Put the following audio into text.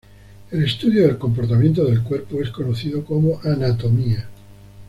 El estudio del comportamiento del cuerpo es conocido como anatomía.